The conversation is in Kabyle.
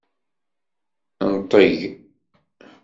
Nṭeg!